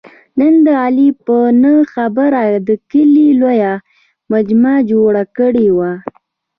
نن علي په نه خبره په کلي لویه مجمع جوړه کړې وه.